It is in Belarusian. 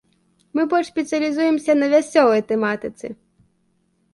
Мы больш спецыялізуемся на вясёлай тэматыцы!